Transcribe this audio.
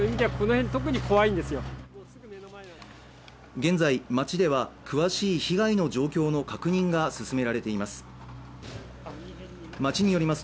現在、町では詳しい被害の状況の確認が進められています。